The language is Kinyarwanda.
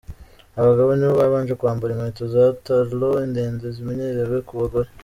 Abagabo nibo babanje kwambara inkweto za ‘talon’ ndende zimenyerewe ku bagore.